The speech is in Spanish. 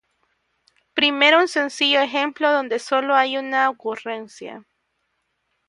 Primero un sencillo ejemplo donde sólo hay una ocurrencia.